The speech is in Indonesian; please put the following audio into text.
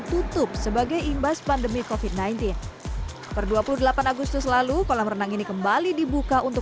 tutup sebagai imbas pandemi kofit sembilan belas per dua puluh delapan agustus lalu kolam renang ini kembali dibuka untuk